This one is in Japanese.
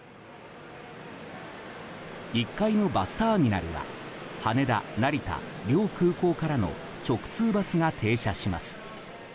１階のバスターミナルは羽田・成田両空港からの直通バスが停車します。